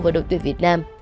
với đội tuyển việt nam